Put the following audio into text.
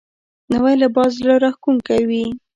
نوی لباس زړه راښکونکی وي